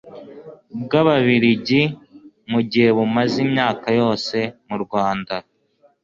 bw Ababirigi mu gihe bumaze imyaka yose mu Rwanda